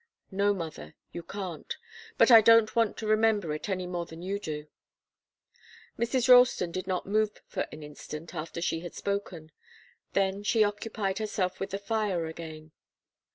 "No, mother, you can't. But I don't want to remember it, any more than you do." Mrs. Ralston did not move for an instant after he had spoken. Then she occupied herself with the fire again.